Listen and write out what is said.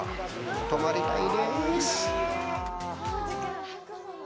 泊まりたいです！